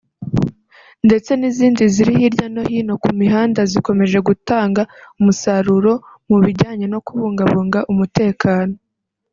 ndetse n’izindi ziri hirya no hino ku mihanda zikomeje gutanga umusaruro mu bijyanye no kubungabunga umutekano